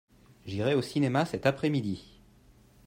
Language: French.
J'irai au cinéma cet après-midi.